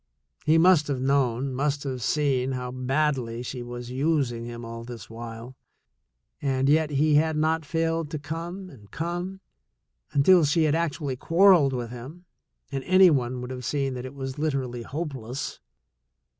He must have known, must have seen how badly she was using him all this while, and yet he had not failed to come and come, until she had actually quarreled with him, and any one would have seen that it was literally hopeless.